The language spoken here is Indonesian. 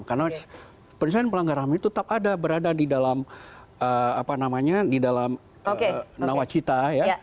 karena penyelesaian pelanggaran ham itu tetap ada berada di dalam apa namanya di dalam nawacita ya